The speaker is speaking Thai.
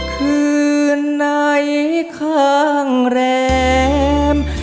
คืนไหนข้างแรม